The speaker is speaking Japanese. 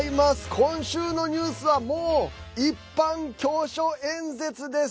今週のニュースはもう、一般教書演説です。